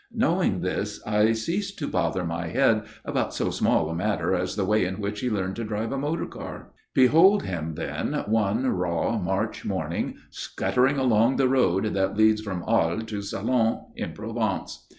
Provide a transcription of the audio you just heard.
Knowing this, I cease to bother my head about so small a matter as the way in which he learned to drive a motor car. Behold him, then, one raw March morning, scuttering along the road that leads from Arles to Salon, in Provence.